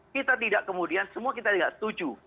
kita tidak kemudian semua kita tidak setuju